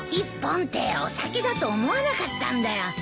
１本ってお酒だと思わなかったんだよ。